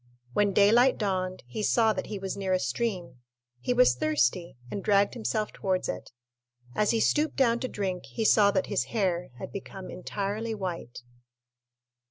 When daylight dawned he saw that he was near a stream; he was thirsty, and dragged himself towards it. As he stooped down to drink, he saw that his hair had become entirely white.